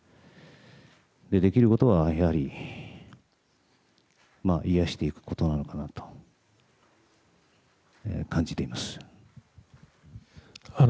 それで、できることは、やはり癒やしていくことなのかなと感じています。